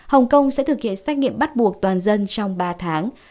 hồng kông sẽ thực hiện xét nghiệm bắt buộc toàn dân trong ba tháng